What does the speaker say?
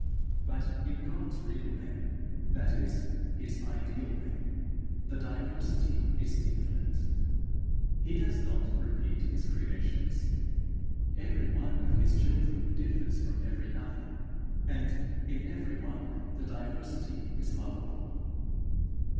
But in God's real men, that is, his ideal men, the diversity is infinite; he does not repeat his creations; every one of his children differs from every other, and in every one the diversity is lovable.